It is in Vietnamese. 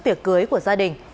tiệc cưới của gia đình